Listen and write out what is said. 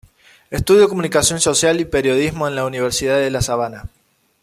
Estudió Comunicación Social y Periodismo en la Universidad de La Sabana.